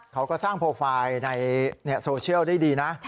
เค้าก็สร้างโพลไฟล์ในเนี่ยโซเชียลด้วยดีนะ